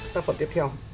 tác phẩm tiếp theo